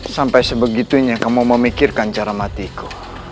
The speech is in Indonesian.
sampai sebegitunya kamu memikirkan cara matiku